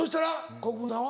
国分さんは。